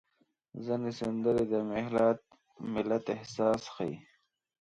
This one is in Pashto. ځینې سندرې د ملت احساس ښيي.